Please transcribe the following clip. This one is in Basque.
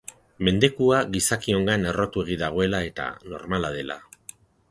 Mendekua gizakiongan errotuegi dagoela, eta normala dela.